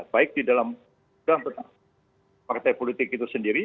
baik di dalam partai politik itu sendiri